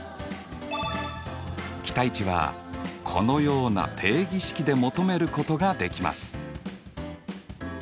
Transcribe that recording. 期待値はこのような定義式で求めることができます。